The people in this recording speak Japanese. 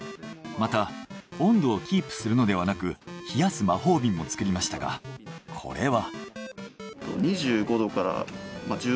また温度をキープするのではなく冷やす魔法瓶も作りましたがこれは。